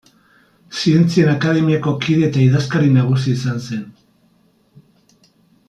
Zientzien Akademiako kide eta idazkari nagusi izan zen.